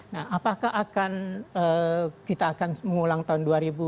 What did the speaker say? nah apakah kita akan mengulang tahun dua ribu lima belas